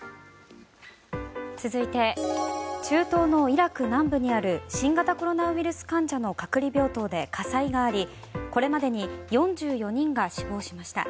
続いて中東のイラク南部にある新型コロナウイルス患者の隔離病棟で火災がありこれまでに４４人が死亡しました。